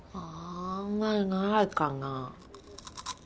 あんまりないかな。